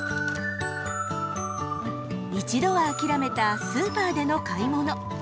一度は諦めたスーパーでの買い物。